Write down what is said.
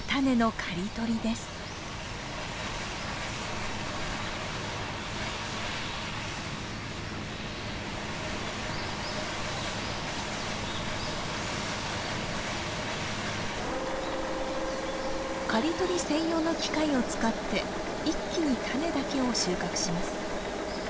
刈り取り専用の機械を使って一気にタネだけを収穫します。